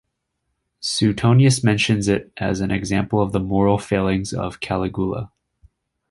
Suetonius mentions it as an example of the moral failings of Caligula.